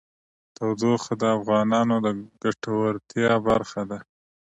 تودوخه د افغانانو د ګټورتیا برخه ده.